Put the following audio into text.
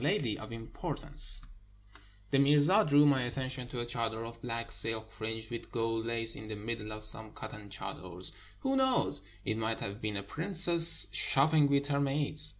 lady) of importance. The 424 THE PERSIAN BAZAARS mirza drew my attention to a chadcr of black silk fringed with gold lace in the middle of some cotton chaders. Who knows? it might have been a princess shopping with her maids.